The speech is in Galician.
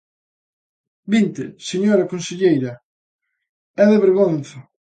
¡Vinte, señora conselleira! É de vergonza.